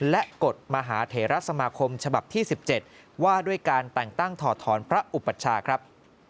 และกฎมหาเถระสมาคมฉบับที่๑๗ว่าด้วยการแต่งตั้งถอดถอนพระอุปัชชาครับ